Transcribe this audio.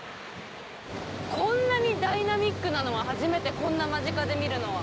こんなにダイナミックなのは初めてこんな間近で見るのは。